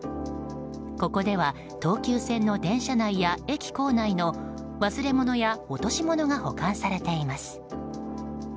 ここでは東急線の電車内や駅構内の忘れ物や落し物が保管されています。